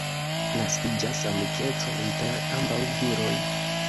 Naskiĝas amikeco inter ambaŭ viroj.